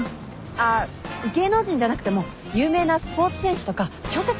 あっ芸能人じゃなくても有名なスポーツ選手とか小説家とか。